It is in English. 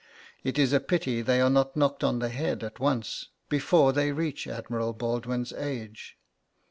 It is a pity they are not knocked on the head at once, before they reach Admiral Baldwin's age....'